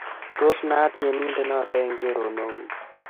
Tos naat tyenindet noto eng' choronokuk